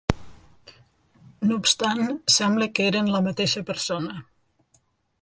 No obstant sembla que eren la mateixa persona.